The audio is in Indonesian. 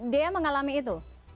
daya mengalami itu